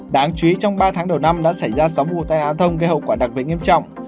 đáng chú ý trong ba tháng đầu năm đã xảy ra sáu vụ tai á thông gây hậu quả đặc biệt nghiêm trọng